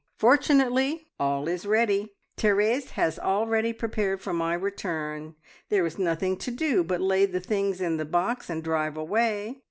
Fortunately all is ready. Therese has already prepared for my return. There was nothing to do but lay the things in the box and drive away."